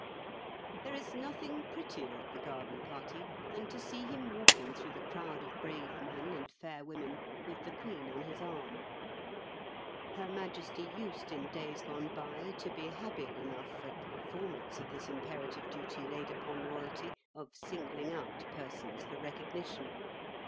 There is nothing prettier at the garden party than to see him walking through the crowd of brave men and fair women with the Queen on his arm. Her Majesty used in days gone by to be habile enough at the performance of this imperative duty laid upon Royalty of singling out persons for recognition.